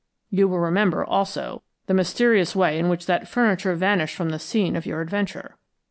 You will remember, also, the mysterious way in which that furniture vanished from the scene of your adventure."